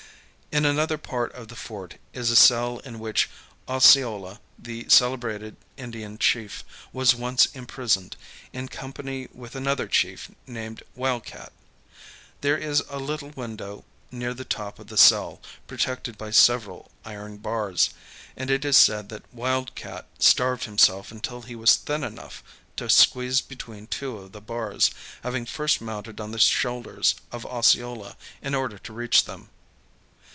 In another part of the fort is a cell in which Os[Pg 115]ceola, the celebrated Indian chief, was once imprisoned, in company with another chief named Wild Cat. There is a little window near the top of the cell, protected by several iron bars; and it is said that Wild Cat starved himself until he was thin enough to squeeze between two of the bars, having first mounted on the shoulders of Osceola in order to reach them.